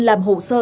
làm hồ sơ